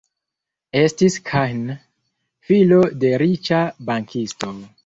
Estis Kahn, filo de riĉa bankisto.